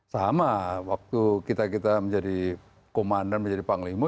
sama waktu kita kita menjadi komandan menjadi panglima